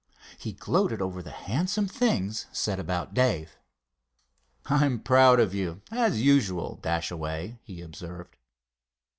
He gloated over the handsome things said about Dave. "I'm proud of you, as usual, Dashaway," he observed.